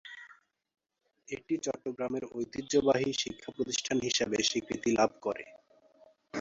এটি চট্টগ্রামের ঐতিহ্যবাহী শিক্ষাপ্রতিষ্ঠান হিসেবে স্বীকৃতি লাভ করে।